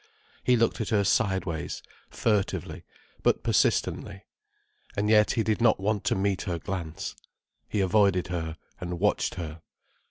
He looked at her sideways, furtively, but persistently. And yet he did not want to meet her glance. He avoided her, and watched her.